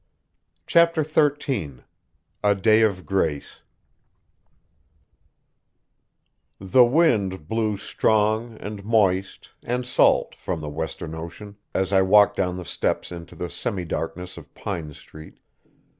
CHAPTER XIII A DAY OF GRACE The wind blew strong and moist and salt from the western ocean as I walked down the steps into the semi darkness of Pine Street.